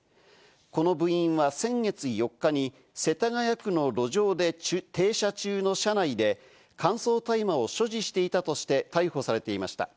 この部員は先月４日に世田谷区の路上で停車中の車内で乾燥大麻を所持していたとして逮捕されていました。